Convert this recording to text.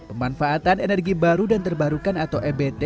pemanfaatan energi baru dan terbarukan atau ebt